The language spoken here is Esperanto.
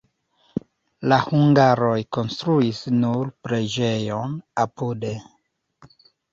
La hungaroj konstruis nur preĝejon apude.